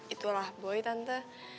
itulah boy tante